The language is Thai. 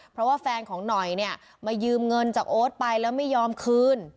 เพราะว่าแฟนของหน่อยเนี่ยมายืมเงินจากโอ๊ตไปแล้วไม่ยอมคืน